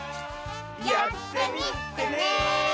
やってみてね！